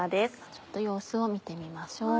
ちょっと様子を見てみましょう。